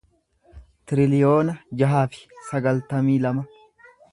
tiriliyoona jaha fi sagaltamii lama